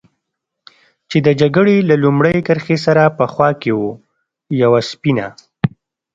چې د جګړې له لومړۍ کرښې سره په خوا کې و، یوه سپینه.